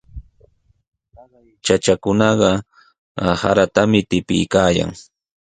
Taqay chachakunaqa saratami tipiykaayan.